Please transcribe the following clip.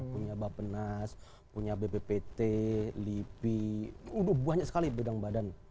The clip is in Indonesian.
punya bapenas punya bppt lipi udah banyak sekali bedang badan badan